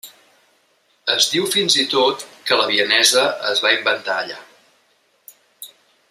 Es diu fins i tot que la vienesa es va inventar allà.